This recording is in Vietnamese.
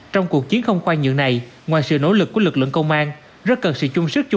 trong cuộc chiến không khoan nhượng này ngoài sự nỗ lực của lực lượng công an rất cần sự chung sức chung